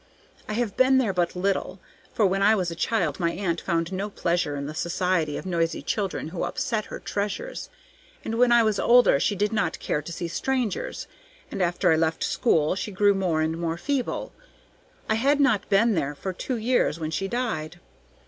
I have been there but little, for when I was a child my aunt found no pleasure in the society of noisy children who upset her treasures, and when I was older she did not care to see strangers, and after I left school she grew more and more feeble; I had not been there for two years when she died.